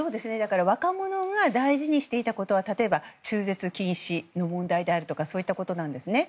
若者が大事にしていたことは例えば中絶禁止の問題であるとかそういったことなんですね。